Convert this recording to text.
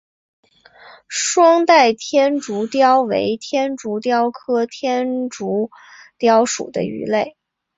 双带天竺鲷为天竺鲷科天竺鲷属的鱼类。